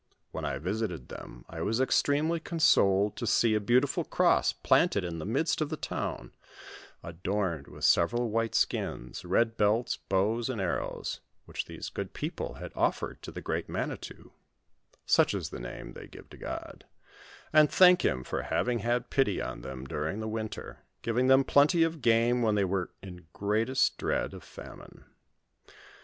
When I visited them, I was extremely consoled to see a beautiful cross planted in the midst of the town, adorned with several white skins, red belts, bows and arrows, which these good people had offered to the Great Manitou (such is the name they give to God) to thank him for having had pity on them during the winter, giving them plenty of game when they were in greatest dread of famine.